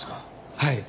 はい。